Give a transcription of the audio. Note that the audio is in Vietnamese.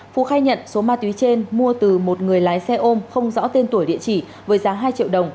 phú khai nhận số ma túy trên mua từ một người lái xe ôm không rõ tên tuổi địa chỉ với giá hai triệu đồng